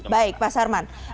baik pak sarman